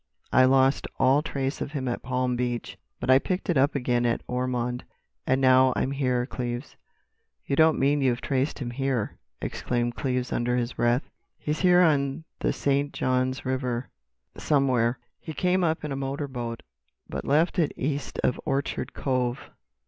I lost all trace of him at Palm Beach, but I picked it up again at Ormond. And now I'm here, Cleves." "You don't mean you've traced him here!" exclaimed Cleves under his breath. "He's here on the St. Johns River, somewhere. He came up in a motor boat, but left it east of Orchard Cove.